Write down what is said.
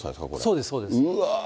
そうです、そうです。